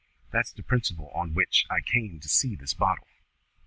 That's the principle on which I came to see this bottle.